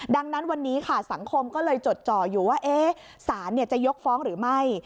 ดังนั้นวันนี้ค่ะสังคมก็เลยจดจ่ออยู่ว่าสารจะยกฟ้องหรือไม่